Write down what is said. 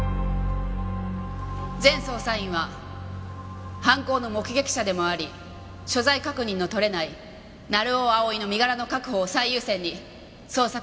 全捜査員は犯行の目撃者でもあり所在確認の取れない成尾蒼の身柄の確保を最優先に捜索